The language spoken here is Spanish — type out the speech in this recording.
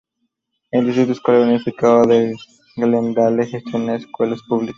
El Distrito Escolar Unificado de Glendale gestiona escuelas públicas.